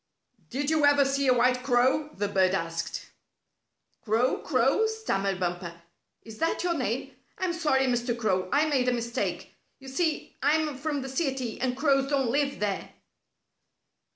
"Did you ever see a white crow?" the bird asked. "Crow! Crow!" stammered Bumper. "Is that your name? I'm sorry, Mr. Crow, I made a mistake. You see, I'm from the city, and crows don't live there."